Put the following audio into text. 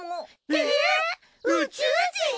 えっ宇宙人！？